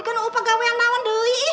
aku juga gak mau